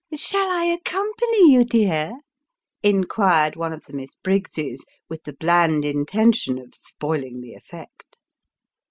" Shall I accompany you, dear ?" inquired one of the Miss Briggses, with the bland intention of spoiling the effect.